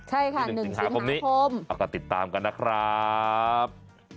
ใช่ค่ะที่๑สิงหาคมนี้ก็ติดตามกันนะครับ